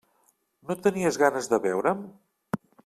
No tenies ganes de veure'm?